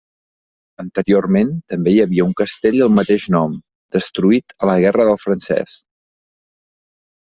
Anteriorment també hi havia un castell del mateix nom, destruït a la Guerra del Francés.